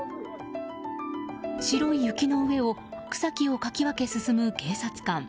白い雪の上を草木をかき分け進む警察官。